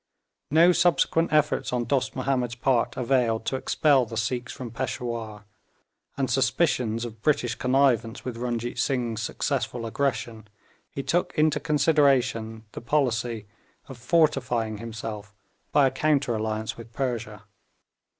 No subsequent efforts on Dost Mahomed's part availed to expel the Sikhs from Peshawur, and suspicious of British connivance with Runjeet Singh's successful aggression, he took into consideration the policy of fortifying himself by a counter alliance with Persia.